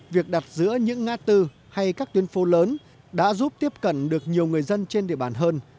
việc đặt giữa những ngã tư hay các tuyến phố lớn đã giúp tiếp cận được nhiều người dân trên địa bàn hơn